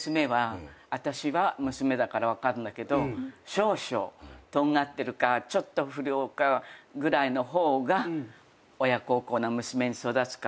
私は娘だから分かるんだけど少々とんがってるかちょっと不良かぐらいの方が親孝行な娘に育つから。